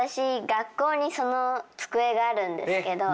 学校にその机があるんですけど。